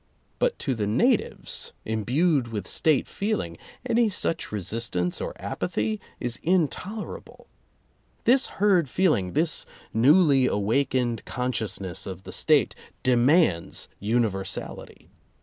But to the natives imbued with State feeling, any such resistance or apathy is intolerable. This herd feeling, this newly awakened consciousness of the State, de mands universality.